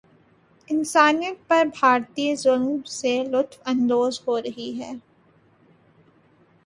انسانیت پر بھارتی ظلم سے لطف اندوز ہورہی ہے